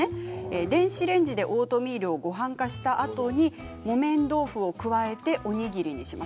電子レンジでオートミールをごはん化したあとに木綿豆腐を加えておにぎりにします。